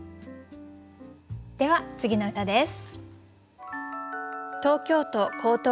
では次の歌です。